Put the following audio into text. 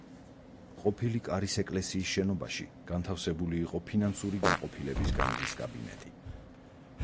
ყოფილი კარის ეკლესიის შენობაში განთავსებული იყო ფინანსური განყოფილების გამგის კაბინეტი.